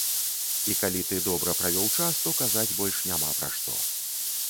І калі ты добра правёў час, то казаць больш няма пра што.